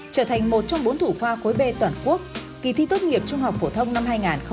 trở thành một trong bốn thủ khoa khối b toàn quốc kỳ thi tốt nghiệp trung học phổ thông năm hai nghìn hai mươi năm